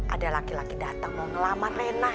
ada laki laki dateng mau ngelamar rena